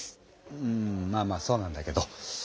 うんまあまあそうなんだけど。